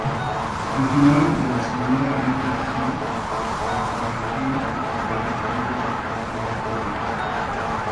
Al final de la Segunda Gran Migración los afroamericanos constituían un grupo fuertemente urbanizado.